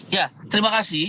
ya terima kasih